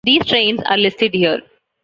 These trains are listed here.